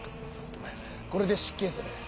これで失敬する。